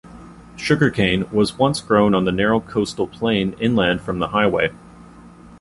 Sugar cane was once grown on the narrow coastal plain inland from the highway.